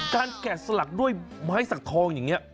แกะสลักด้วยไม้สักทองอย่างนี้